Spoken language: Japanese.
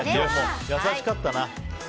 優しかったな。